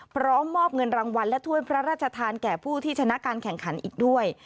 พร้อมมอบเงินรางวัลและถ้วยพระราชทานแก่ผู้ที่ชนะการแข่งขันอีกด้วย